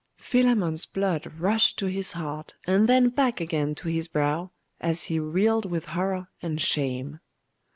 Philammon's blood rushed to his heart, and then back again to his brow, as he reeled with horror and shame.